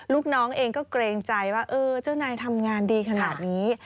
ลูกน้องเองก็เกรงใจว่าเออเจ้านายทำงานดีขนาดนี้